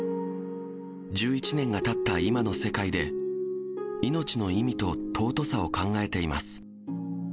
１１年がたった今の世界で、命の意味と尊さを考えています。